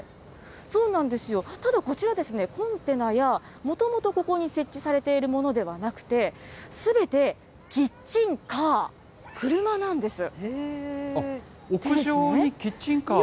そうなんですよ、ただこちら、コンテナや、もともと、ここに設置されているものではなくて、すべてキッチンカー、車なんです。